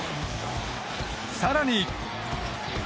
更に。